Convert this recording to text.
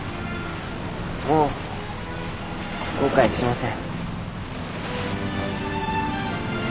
もう後悔しません。